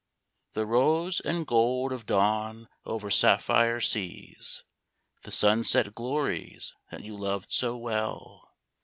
The rose and gold of dawn o'er sapphire seas ; The sunset glories that you loved so well